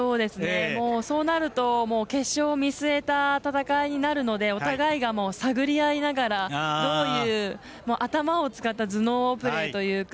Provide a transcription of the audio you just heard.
そうなると決勝を見据えた戦いにあるのでお互いが探りあいながら頭を使った頭脳プレーというか。